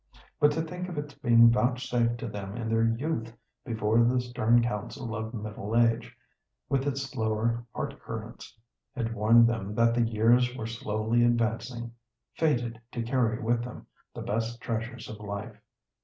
But to think of its being vouchsafed to them in their youth, before the stern counsel of middle age, with its slower heart currents, had warned them that the years were slowly advancing, fated to carry with them the best treasures of life.